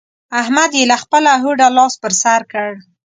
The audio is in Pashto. احمد يې له خپله هوډه لاس پر سر کړ.